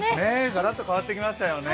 ガラッと変わってきましたよね。